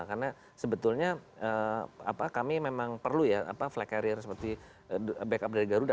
karena sebetulnya kami memang perlu ya flight carrier seperti backup dari garuda